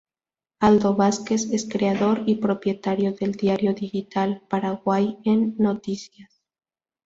Aldo Vazquez es creador y propietario del diario digital "Paraguay en Noticias".